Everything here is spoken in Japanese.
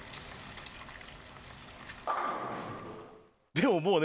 でももうね。